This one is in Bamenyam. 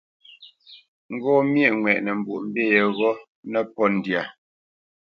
Ŋgó myéʼ ŋwɛʼnə Mbwoʼmbî yeghó nə́pōt ndyâ.